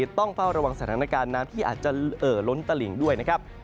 ต้องเฝ้าระวังสถานการณ์น้ำที่อาจจะเอ่อล้นตลิ่งด้วยนะครับ